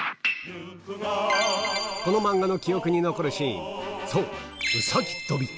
この漫画の記憶に残るシーン、そう、うさぎ跳び。